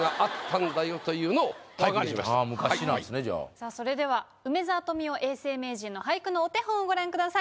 さあそれでは梅沢富美男永世名人の俳句のお手本をご覧ください。